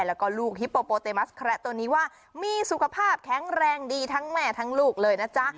แล้วก็ลูกฮิปโปโปเตมัสแคระตัวนี้ว่ามีสุขภาพแข็งแรงดีทั้งแม่ทั้งลูกเลยนะจ๊ะ